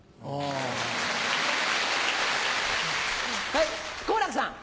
はい好楽さん。